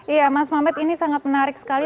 iya mas mabed ini sangat menarik sekali